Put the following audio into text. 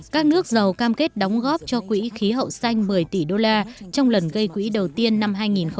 các nước giàu cam kết đóng góp cho quỹ khí hậu xanh một mươi tỷ usd trong lần gây quỹ đầu tiên năm hai nghìn một mươi bốn